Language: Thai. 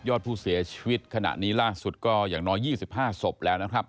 อดผู้เสียชีวิตขณะนี้ล่าสุดก็อย่างน้อย๒๕ศพแล้วนะครับ